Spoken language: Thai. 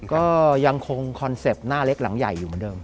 ก็ยังคงคอนเซ็ปต์หน้าเล็กหลังใหญ่อยู่เหมือนเดิม